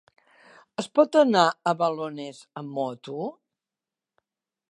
Es pot anar a Balones amb moto?